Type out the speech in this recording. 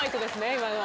今のは。